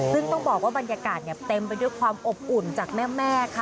ซึ่งต้องบอกว่าบรรยากาศเต็มไปด้วยความอบอุ่นจากแม่ค่ะ